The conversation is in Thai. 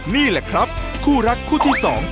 นี่แหละครับคู่รักคู่ที่สอง